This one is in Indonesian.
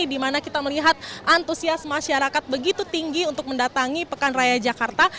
di mana kita melihat antusias masyarakat begitu tinggi untuk mendatangi pekan raya jakarta